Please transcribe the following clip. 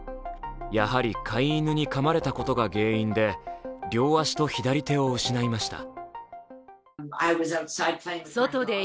やはり飼い犬にかまれたことが原因で両足と左手を失いました。